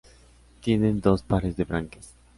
Tienen dos pares de branquias.